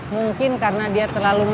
mungkin karena dia terlalu